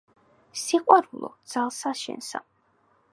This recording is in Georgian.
სიყვარულო, ძალსა შენსა!